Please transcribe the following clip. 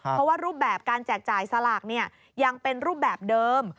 เพราะว่ารูปแบบการแจกจ่ายสลากยังเป็นรูปแบบเดิม